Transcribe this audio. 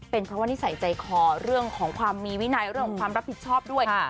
เป็นเพราะว่านิสัยใจคอเรื่องของความมีวินัยเรื่องของความรับผิดชอบด้วย